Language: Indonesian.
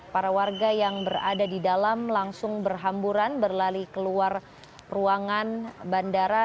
para warga yang berada di dalam langsung berhamburan berlari keluar ruangan bandara